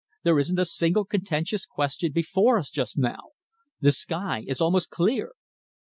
There isn't a single contentious question before us just now. The sky is almost clear."